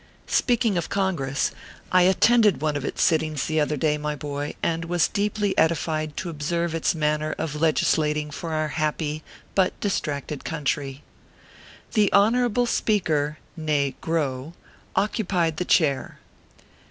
Speaking of Congress ; I attended one of its sittings the other day, my boy, and was deeply edified to ob serve its manner of legislating for our happy but dis tracted country. The " Honorable Speaker" (ne Grow) occupied the Chair.